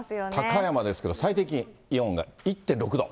高山ですけど、最低気温が１．６度。